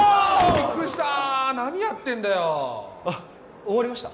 びっくりした何やってんだよ終わりました？